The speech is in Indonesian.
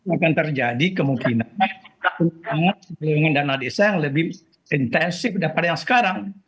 akan terjadi kemungkinan penurunan dana desa yang lebih intensif daripada yang sekarang